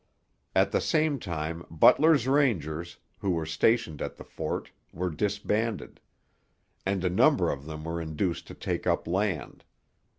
At the same time Butler's Rangers, who were stationed at the fort, were disbanded; and a number of them were induced to take up land.